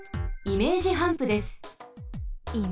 イメージハンプ？